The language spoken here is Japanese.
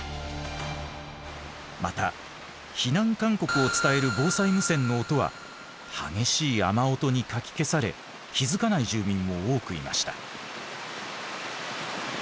また避難勧告を伝える防災無線の音は激しい雨音にかき消され気付かない住民も多くいました。